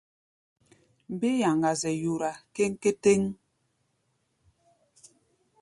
Mbé yaŋa-zɛ yora kéŋkétéŋ.